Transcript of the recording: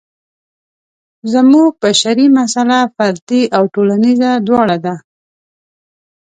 زموږ بشري مساله فردي او ټولنیزه دواړه ده.